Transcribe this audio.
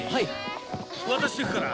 渡してくから。